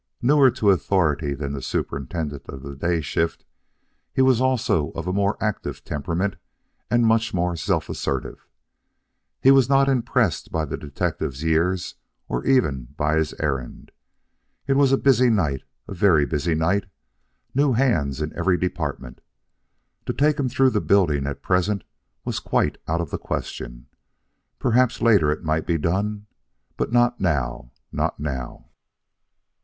Newer to authority than the superintendent of the dayshift, he was also of a more active temperament and much more self assertive. He was not impressed by the detective's years or even by his errand. It was a busy night, a very busy night new hands in every department. To take him through the building at present was quite out of the question. Perhaps later it might be done; but not now, not now.